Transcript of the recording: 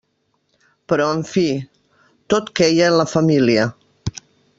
Però en fi..., tot queia en la família.